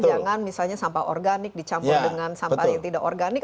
jangan misalnya sampah organik dicampur dengan sampah yang tidak organik